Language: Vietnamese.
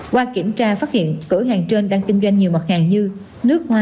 qua kiểm tra phát hiện cửa hàng trên đang kinh doanh nhiều mặt hàng như nước hoa